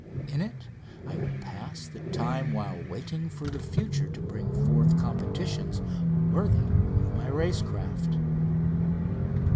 In it I would pass the time while waiting for the future to bring forth competitions worthy of my race craft.